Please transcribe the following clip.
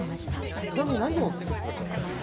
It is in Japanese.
ちなみに何を作ってらっしゃるんですか？